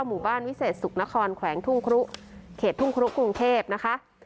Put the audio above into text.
วิเศษสุขนครแขวงทุ่งครุเขตทุ่งครุกรุงเทพนะคะ